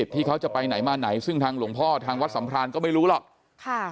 ที่เขาจะไปไหนมาไหนซึ่งทางหลวงพ่อทางวัดสัมพรานก็ไม่รู้หรอกค่ะ